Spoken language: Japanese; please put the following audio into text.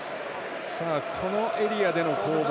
このエリアでの攻防